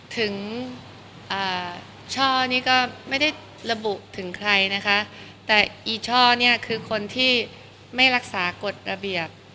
ถึงช่อนี่ก็ไม่ได้ระบุถึงใครนะคะแต่อีช่อเนี่ยคือคนที่ไม่รักษากฎระเบียบ